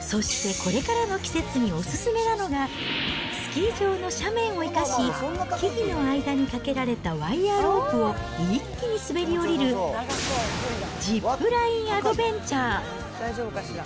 そしてこれからの季節にお勧めなのが、スキー場の斜面を生かし、木々の間に掛けられたワイヤーロープを一気に滑り降りる、ジップラインアドベンチャー。